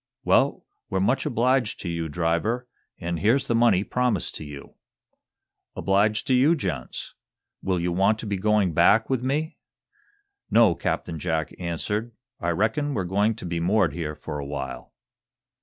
"Well, we're much obliged to you, driver, and here's the money promised to you." "Obliged to you, gents. Will you want to be going back with me?" "No," Captain Jack answered. "I reckon we're going to be moored here for a while."